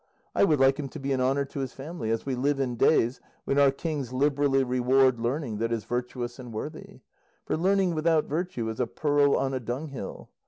I would like him to be an honour to his family, as we live in days when our kings liberally reward learning that is virtuous and worthy; for learning without virtue is a pearl on a dunghill.